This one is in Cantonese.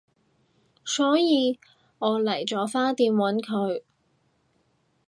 所以我嚟咗花店搵佢